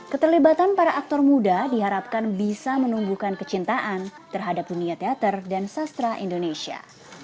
keterlibatan para aktor muda diharapkan bisa menumbuhkan kecintaan terhadap dunia teater dan sastra indonesia